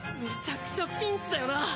めちゃくちゃピンチだよな。